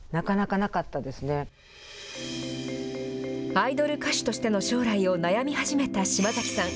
アイドル歌手としての将来を悩み始めた島崎さん。